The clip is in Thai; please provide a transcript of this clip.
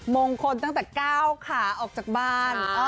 มงคลตั้งแต่ก้าวขาออกจากบ้าน